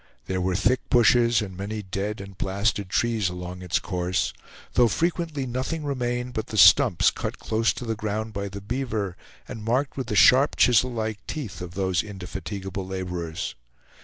There were thick bushes and many dead and blasted trees along its course, though frequently nothing remained but stumps cut close to the ground by the beaver, and marked with the sharp chisel like teeth of those indefatigable laborers.